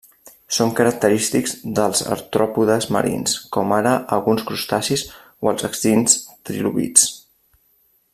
Són característics dels artròpodes marins, com ara alguns crustacis o els extints trilobits.